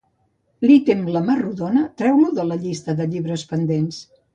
L'ítem "La mar rodona" treu-lo de la llista de llibres pendents.